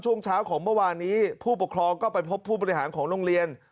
ช่วงเช้าของเมื่อวานนี้ผู้ปกครองก็ไปพบผู้บริหารของโรงเรียน